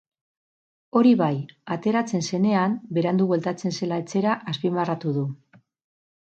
Hori bai, ateratzen zenean berandu bueltatzen zela etxera azpimarratu du.